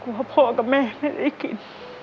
เพราะพ่อกับแม่ไม่ได้กิน